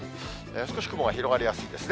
少し雲が広がりやすいですね。